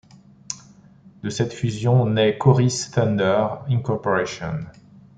De cette fusion, nait Corys Thunder Incorporation.